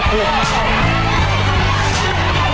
เข้าออกไป